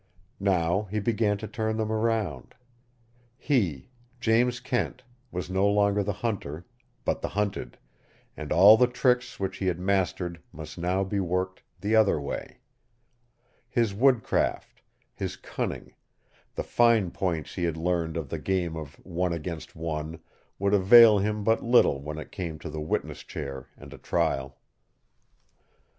Now he began to turn them around. He, James Kent, was no longer the hunter, but the hunted, and all the tricks which he had mastered must now be worked the other way. His woodcraft, his cunning, the fine points he had learned of the game of one against one would avail him but little when it came to the witness chair and a trial.